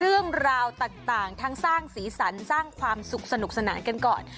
เรื่องราวต่างทั้งสร้างสีสันสร้างความสุขสนุกสนานกันก่อน